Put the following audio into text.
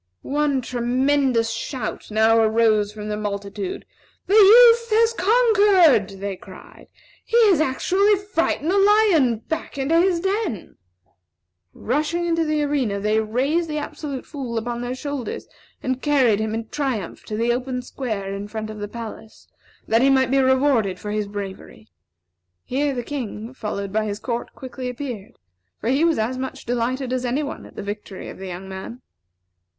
One tremendous shout now arose from the multitude. "The youth has conquered!" they cried. "He has actually frightened the lion back into his den!" Rushing into the arena, they raised the Absolute Fool upon their shoulders and carried him in triumph to the open square in front of the palace, that he might be rewarded for his bravery. Here the King, followed by his court, quickly appeared; for he was as much delighted as any one at the victory of the young man.